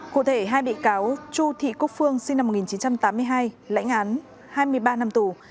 cụ thể hai bị cáo chu thị quốc phương sinh năm một nghìn chín trăm tám mươi hai lãnh án hai mươi ba năm tù